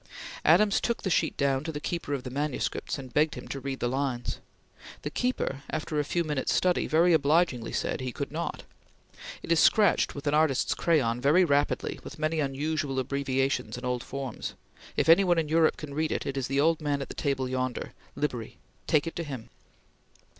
Adams took the sheet down to the keeper of the manuscripts and begged him to read the lines. The keeper, after a few minutes' study, very obligingly said he could not: "It is scratched with an artist's crayon, very rapidly, with many unusual abbreviations and old forms. If any one in Europe can read it, it is the old man at the table yonder, Libri! Take it to him!"